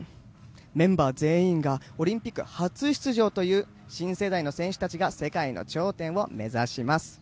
メンバー全員がオリンピック初出場という新世代の選手たちが世界の頂点を目指します。